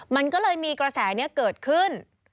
มันก็เลยมีกระแสนี้เกิดขึ้น